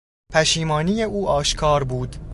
پشیمانی او آشکار بود.